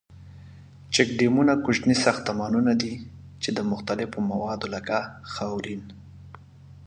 چیک ډیمونه کوچني ساختمانونه دي ،چې د مختلفو موادو لکه خاورین.